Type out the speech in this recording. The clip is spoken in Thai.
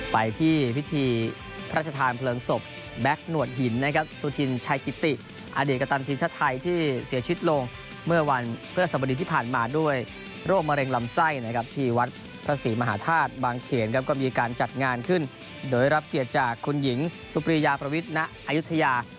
ไปที่พิธีพระราชทานเพลิงศพแบ็คหนวดหินนะครับสุธินชัยกิติอดีตกัปตันทีมชาติไทยที่เสียชีวิตลงเมื่อวันพฤษบดีที่ผ่านมาด้วยโรคมะเร็งลำไส้นะครับที่วัดพระศรีมหาธาตุบางเขนครับก็มีการจัดงานขึ้นโดยรับเกียรติจากคุณหญิงสุปรียาประวิทณอายุทยา